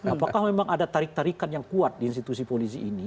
apakah memang ada tarik tarikan yang kuat di institusi polisi ini